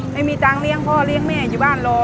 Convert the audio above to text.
ไม่มีตังค์เลี้ยงพ่อเลี้ยงแม่อยู่บ้านรอ